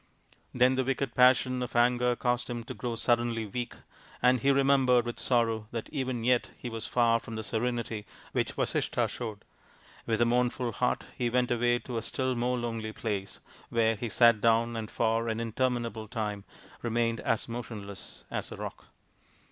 Then the wicked passion of anger caused him to grow suddenly weak, and he remembered with sorrow that even yet he was far from the serenity which Vasishtha showed. With a mournful heart he went away to a still more lonely place, where he sat down and for an interminable time remained as motionless as a rock.